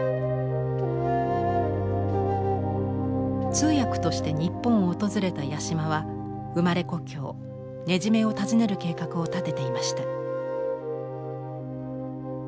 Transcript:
通訳として日本を訪れた八島は生まれ故郷根占を訪ねる計画を立てていました。